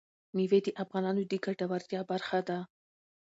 مېوې د افغانانو د ګټورتیا برخه ده.